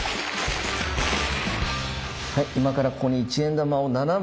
はい今からここに一円玉を７枚。